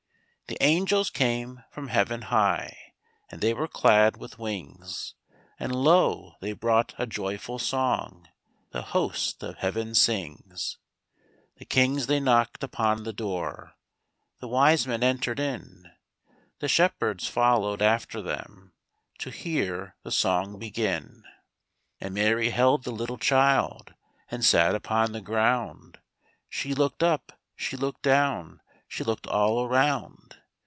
The angels came from heaven high, And they were clad with wings; And lo, they brought a joyful song The host of heaven sings. The kings they knocked upon the door, The wise men entered in, The shepherds followed after them To hear the song begin. And Mary held the little child And sat upon the ground; She looked up, she looked down, She looked all around.